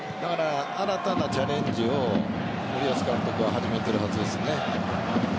新たなチャレンジを森保監督は始めているはずですね。